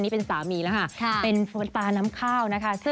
เป็นพ่อนตาน้ำข้าว